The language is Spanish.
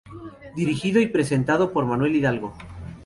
Dirigido y presentado por Manuel Hidalgo.